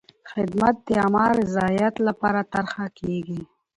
خدمت د عامه رضایت لپاره طرحه کېږي.